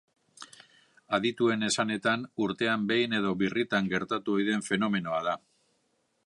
Adituen esanetan, urtean behin edo birritan gertatu ohi den fenomenoa da.